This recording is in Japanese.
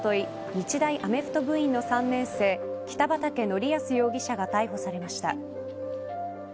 日大アメフト部員の３年生北畠成文容疑者が逮捕されました。